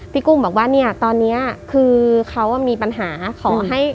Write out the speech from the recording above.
พี่กุ้งบอกว่าเนี่ยตอนนี้คือเขามีปัญหา